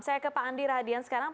saya ke pak andi radian sekarang